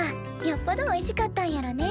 よっぽどおいしかったんやろね。